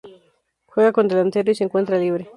Juega como delantero y se encuentra libre.